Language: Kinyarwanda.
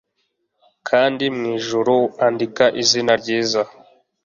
kandi mwijuru andika izina ryiza